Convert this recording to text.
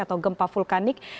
atau gempa vulkanik